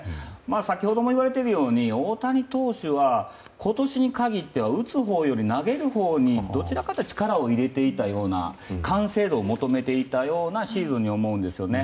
先ほどから言われているように大谷投手は今年に限っては打つほうより投げるほうにどちらかというと力を入れているような完成度を求めていたようなシーズンに思うんですね。